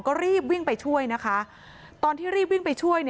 ก็รีบวิ่งไปช่วยนะคะตอนที่รีบวิ่งไปช่วย